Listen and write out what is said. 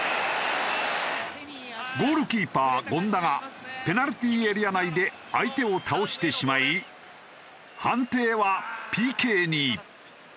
ゴールキーパー権田がペナルティーエリア内で相手を倒してしまい判定はＰＫに。